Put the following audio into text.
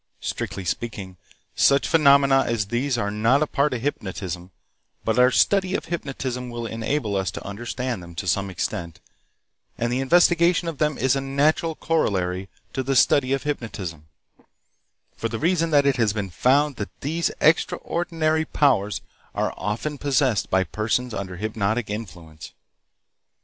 Strictly speaking, such phenomena as these are not a part of hypnotism, but our study of hypnotism will enable us to understand them to some extent, and the investigation of them is a natural corollary to the study of hypnotism, for the reason that it has been found that these extraordinary powers are often possessed by persons under hypnotic influence.